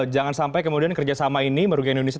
jangan sampai kemudian kerjasama ini merugikan indonesia